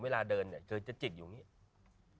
เวลาเดินเนี่ยเธอจะจิกอยู่อย่างนี้